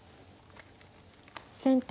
先手